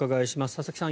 佐々木さん